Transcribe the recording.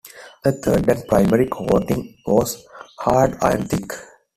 The third and primary coating was hard iron, thick.